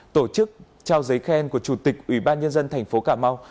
tổ chức trao giấy khen của chủ tịch ủy ban nhân dân thành phố cà mau